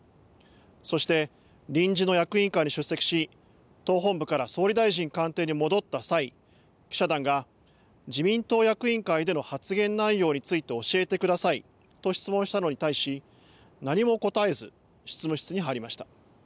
そして、臨時の役員会に出席し党本部から総理大臣官邸に戻った際、記者団が自民党役員会での発言内容について教えてくださいと質問したのに対し何も答えず執務室に入りました。